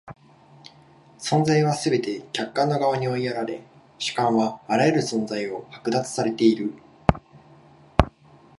存在はすべて客観の側に追いやられ、主観はあらゆる存在を剥奪されている。